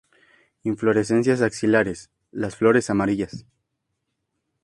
Inflorescencias axilares, las flores amarillas.